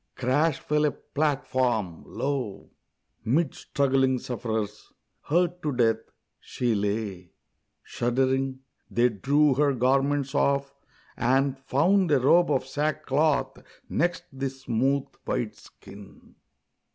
crash fell a platform! Lo, Mid struggling sufferers, hurt to death, she lay! Shuddering, they drew her garments off and found A robe of sackcloth next the smooth, white skin.